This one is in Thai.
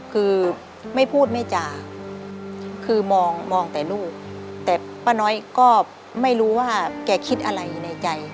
คือไม่พูดไม่จ่าคือมองมองแต่ลูกแต่ป้าน้อยก็ไม่รู้ว่าแกคิดอะไรในใจ